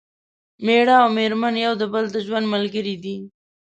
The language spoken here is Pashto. مېړه او مېرمن یو د بل د ژوند ملګري دي